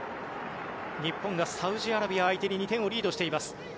日本がサウジアラビア相手に２点リードしています。